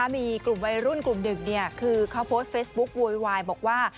มีกลุ่มวัยรุ่นกลุ่มหนึ่งคือเขาโพสต์เฟซบุ๊กโวยวายบอกว่า